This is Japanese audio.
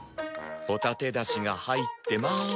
ホタテだしが入ってまーす。